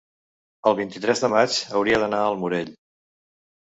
el vint-i-tres de maig hauria d'anar al Morell.